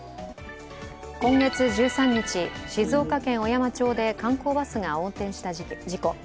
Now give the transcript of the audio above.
今月１３日、静岡県小山町で観光バスが横転した事故。